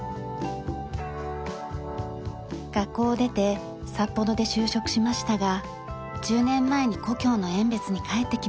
学校を出て札幌で就職しましたが１０年前に故郷の遠別に帰ってきました。